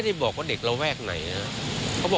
เดี๋ยวเราตามจับให้เอง